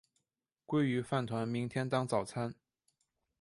鲑鱼饭团明天当早餐